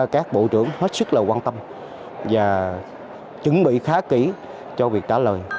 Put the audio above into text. các bộ trưởng hết sức là quan tâm và chuẩn bị khá kỹ cho việc trả lời